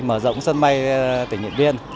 mở rộng sân bay tỉnh điện biên